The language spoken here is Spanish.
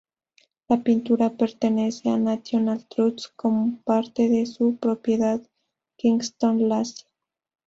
La pintura pertenece a la National Trust, como parte de su propiedad Kingston Lacy.